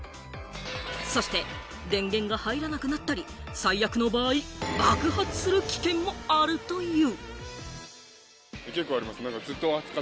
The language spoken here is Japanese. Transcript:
そして電源が入らなくなったり、最悪の場合、爆発する危険もあるという。